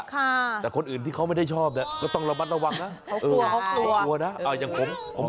แต่คนอื่นที่เขาไม่ได้ชอบเนี่ยก็ต้องระวังนะเขากลัวนะอย่างผมกลัว